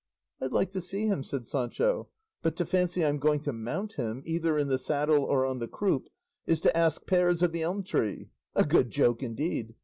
"I'd like to see him," said Sancho; "but to fancy I'm going to mount him, either in the saddle or on the croup, is to ask pears of the elm tree. A good joke indeed!